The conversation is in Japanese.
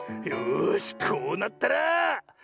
よしこうなったら。